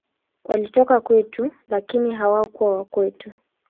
Walitoka kwetu, lakini hawakuwa wa kwetu.